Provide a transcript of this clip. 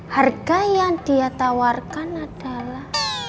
harga yang dia tawarkan adalah